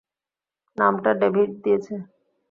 নামটা ডেভিড দিয়েছে।